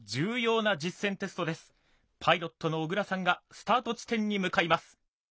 パイロットの小倉さんがスタート地点に向かいます。